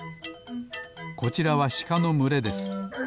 こちらはしかのむれです。